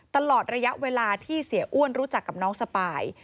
ตลอดระยะเวลาที่เสียอ้วนรู้จักกับน้องสปาย